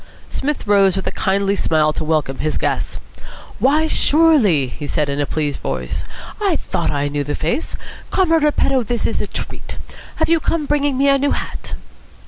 Psmith rose with a kindly smile to welcome his guests. "Why, surely!" he said in a pleased voice. "I thought I knew the face. Comrade Repetto, this is a treat. Have you come bringing me a new hat?"